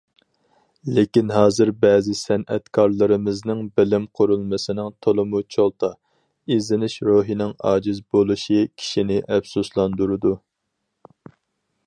لېكىن، ھازىر بەزى سەنئەتكارلىرىمىزنىڭ بىلىم قۇرۇلمىسىنىڭ تولىمۇ چولتا، ئىزدىنىش روھىنىڭ ئاجىز بولۇشى كىشىنى ئەپسۇسلاندۇرىدۇ.